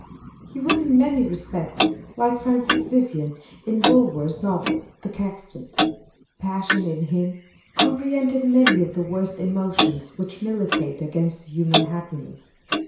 He was in many respects like Francis Vivian in Bulwer's novel of 'The Caxtons.' Passion, in him, comprehended many of the worst emotions which militate against human happiness.